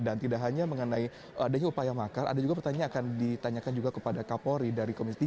dan tidak hanya mengenai adanya upaya makar ada juga pertanyaan yang akan ditanyakan juga kepada kapolri dari komisi tiga